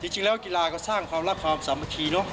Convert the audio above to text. จริงแล้วก็กีฬาก็สร้างความรักความสามารถที